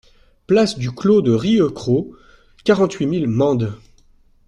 Place du Clos de Rieucros, quarante-huit mille Mende